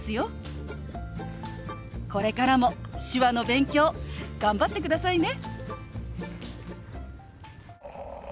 これからも手話の勉強頑張ってくださいね。